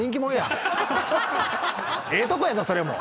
ええとこやぞそれも。